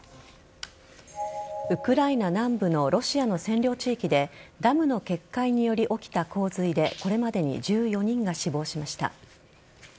ウクライナ南部のロシアの占領地域でダムの決壊により起きた洪水でこれまでに１４人が死亡しました。